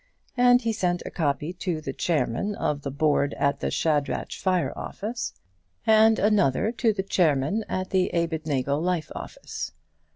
And he sent a copy to the Chairman of the Board at the Shadrach Fire Office, and another to the Chairman at the Abednego Life Office.